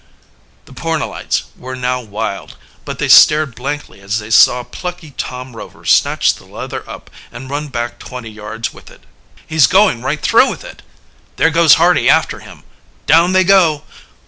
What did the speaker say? The Pornellites were now wild, but they stared blankly as they saw plucky Tom Rover snatch the leather up and run back twenty yards with it. "He's going right through with it!" "There goes Hardy after him!" "Down they go!"